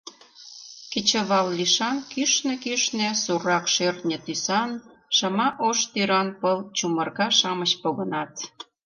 Кечывал лишан кӱшнӧ-кӱшнӧ суррак шӧртньӧ тӱсан, шыма ош тӱран пыл чумырка-шамыч погынат.